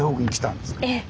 ええ。